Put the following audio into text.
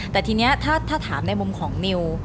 แต่ทีนี้ถ้าถามในมุมของนิว